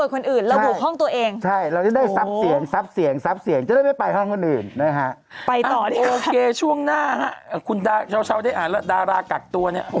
โอเคช่วงหน้าคุณชาวใส่อ่าดารากากตัวนี้